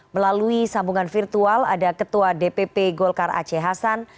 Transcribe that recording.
melalui sambungan virtual ada ketua dpp golkar aceh hasan